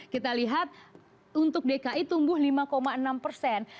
kita lihat untuk dki tumbuh lima enam persen